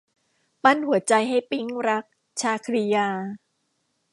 ปั้นหัวใจให้ปิ๊งรัก - ชาครียา